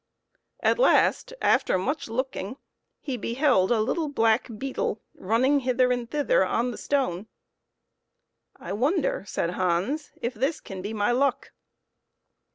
At last, after much looking, he beheld a little black beetle running hither and thither on the stone. " I wonder," said Hans, " if this can be my luck."